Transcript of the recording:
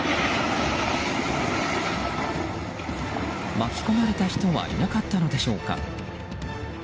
巻き込まれた人はいなかったのでしょうか。